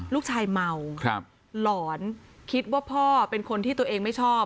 ลูกชายเมาหลอนคิดว่าพ่อเป็นคนที่ตัวเองไม่ชอบ